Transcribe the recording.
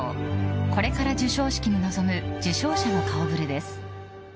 これから授賞式に臨む受賞者の顔ぶれです。